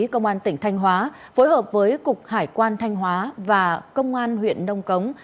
công an tỉnh thanh hóa phối hợp với cục hải quan thanh hóa và công an huyện nông cống